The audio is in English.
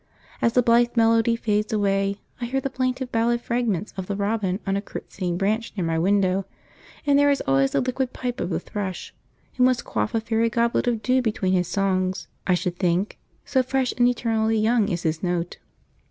As the blithe melody fades away, I hear the plaintive ballad fragments of the robin on a curtsying branch near my window; and there is always the liquid pipe of the thrush, who must quaff a fairy goblet of dew between his songs, I should think, so fresh and eternally young is his note.